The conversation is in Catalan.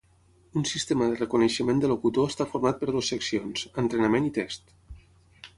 Un sistema de reconeixement de locutor està format per dues seccions: entrenament i test.